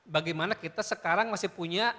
bagaimana kita sekarang masih punya